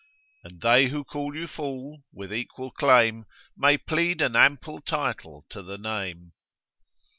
And they who call you fool, with equal claim May plead an ample title to the name.